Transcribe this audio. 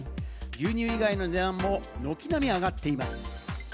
牛乳以外の値段も軒並み上がっています。